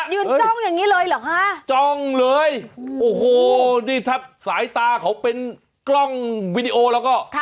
จ้องอย่างนี้เลยเหรอคะจ้องเลยโอ้โหนี่แทบสายตาเขาเป็นกล้องวีดีโอแล้วก็